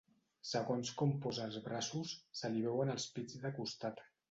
Segons com posa els braços se li veuen els pits de costat.